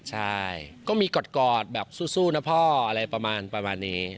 ใช่ก็มีกอดแบบสู้นะพ่ออะไรประมาณนี้